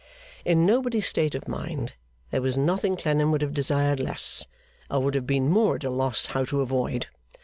In nobody's state of mind, there was nothing Clennam would have desired less, or would have been more at a loss how to avoid.